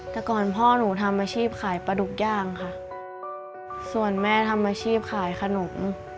แต่ก่อนพ่อหนูทำอาชีพขายปลาดุกย่างค่ะส่วนแม่ทำอาชีพขายขนม